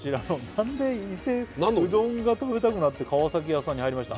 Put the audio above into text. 何で伊勢「うどんが食べたくなって河屋さんに入りました」